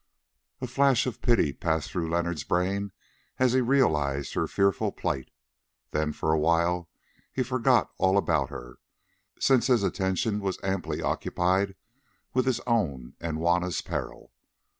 A flash of pity passed through Leonard's brain as he realised her fearful plight. Then for a while he forgot all about her, since his attention was amply occupied with his own and Juanna's peril.